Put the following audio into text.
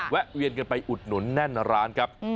แวนกันไปอุดหนุนแน่นร้านครับ